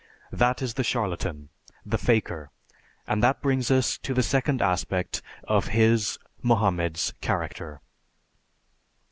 That is the charlatan, the faker, and that brings us to the second aspect of his (Mohammed's) character.